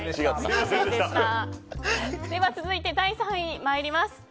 続いて、第３位にまいります。